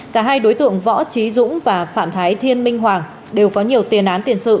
cả hai đối tượng võ trí dũng và phạm thái thiên minh hoàng đều có nhiều tiền án tiền sự